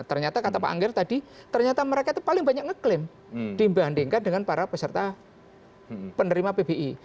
ternyata kata pak anggir tadi ternyata mereka itu paling banyak ngeklaim dibandingkan dengan para peserta penerima pbi